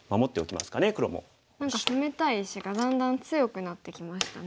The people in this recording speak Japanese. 何か攻めたい石がだんだん強くなってきましたね。